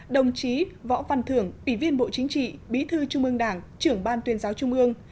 đồng chí võ văn thưởng ủy viên bộ chính trị bí thư trung ương đảng trưởng ban tuyên giáo trung ương